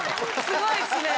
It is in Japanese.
すごいですね！